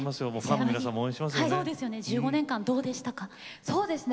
１５年間、どうでしたか？